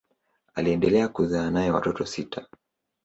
Aliendelea kuzaa naye watoto sita.